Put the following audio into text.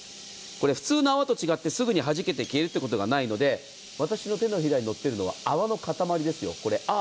普通の泡と違ってすぐにはじけて消えることがないので私の手のひらに乗っているのは泡の塊です、これ。